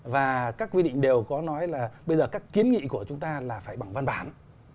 và các quy định đều có nói là bây giờ các kiến nghị của chúng ta là phải bằng văn bản